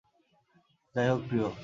যাই হোক, প্রিয়।